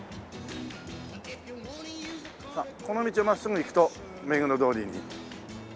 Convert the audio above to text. さっこの道を真っすぐ行くと目黒通りに。